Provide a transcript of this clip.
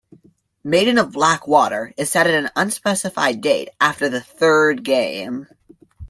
"Maiden of Black Water" is set at an unspecified date after the third game.